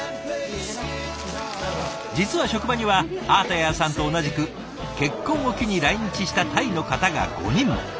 実は職場にはアータヤーさんと同じく結婚を機に来日したタイの方が５人も。